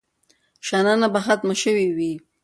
شننه به ختمه شوې وي.